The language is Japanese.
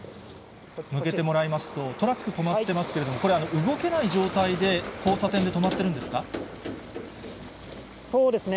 向けてもらいますと、トラック止まってますけども、これ、動けない状態で交差点で止まってるんですか。